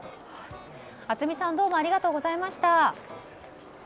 熱海さんどうもありがとうございました。